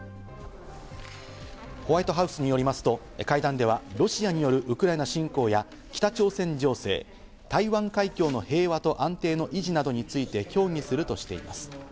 ホワイトハウスによりますと、会談ではロシアによるウクライナ侵攻や北朝鮮情勢、台湾海峡の平和と安定の維持などについて協議するとしています。